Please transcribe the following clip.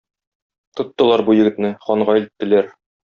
Тоттылар бу егетне, ханга илттеләр.